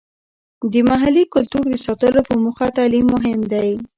د محلي کلتور د ساتلو په موخه تعلیم مهم دی.